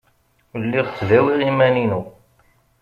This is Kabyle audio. Lliɣ ttdawiɣ iman-inu.